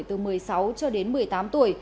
từ một mươi sáu cho đến một mươi tám tuổi